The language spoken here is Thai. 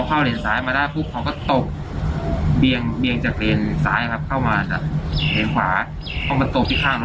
เขามาตบที่ข้างรถผม